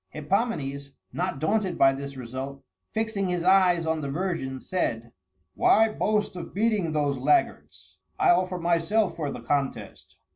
Hippomenes, not daunted by this result, fixing his eyes on the virgin, said, "Why boast of beating those laggards? I offer myself for the contest."